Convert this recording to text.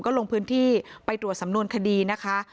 ก็ลงพื้นที่ไปตรวจสำนวนคดีนะคะ